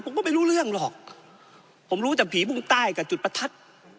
ผมก็ไม่รู้เรื่องหรอกผมรู้แต่ผีพุ่งใต้กับจุดประทัด